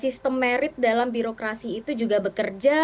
sistem merit dalam birokrasi itu juga bekerja